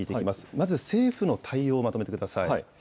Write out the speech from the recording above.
まず政府の対応をまとめてください。